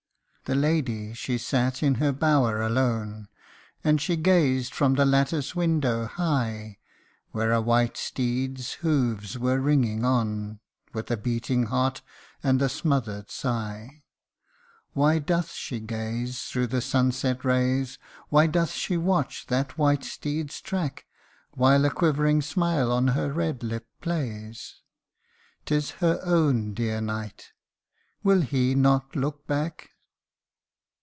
THE lady she sate in her bower alone, And she gaz'd from the lattice window high, Where a white steed's hoofs were ringing on, With a beating heart, and a smother'd sigh. Why doth she gaze thro' the sunset rays Why doth she watch that white steed's track While a quivering smile on her red lip plays ? 'Tis her own dear knight will he not look back